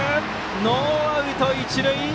ノーアウト、一塁。